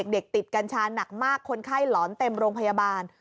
เด็กติดกัญชาหนักมากคนไข้หลอนเต็มโรงพยาบาล